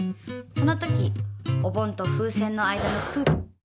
その時お盆と風船の間のくう。